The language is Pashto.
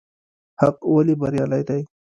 حق ولې بريالی دی؟